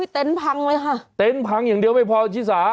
เต็นต์พังเลยค่ะเต็นต์พังอย่างเดียวไม่พอชิสา